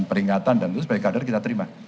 peringatan dan itu sebagai kader kita terima